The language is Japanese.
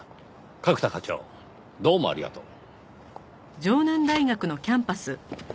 角田課長どうもありがとう。